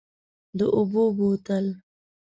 د اوبو بوتل،